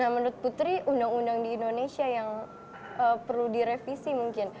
menurut putri undang undang di indonesia yang perlu direvisi mungkin